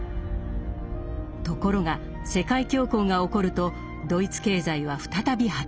ところが世界恐慌が起こるとドイツ経済は再び破綻。